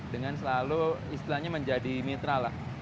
dengan selalu istilahnya menjadi mitra lah